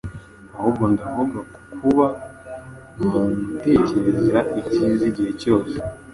ahubwo ndavuga ku kuba umuntu utekereza ibyiza igihe cyose.